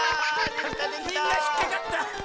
みんなひっかかった！